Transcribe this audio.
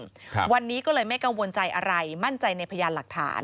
ครับวันนี้ก็เลยไม่กังวลใจอะไรมั่นใจในพยานหลักฐาน